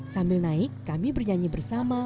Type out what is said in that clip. sambil naik kami bernyanyi bersama